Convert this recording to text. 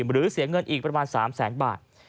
หรือเสียเงินอีกประมาณ๓แสนบาท